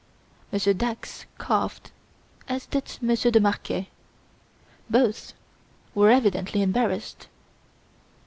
Monsieur Dax coughed, as did Monsieur de Marquet. Both were evidently embarrassed.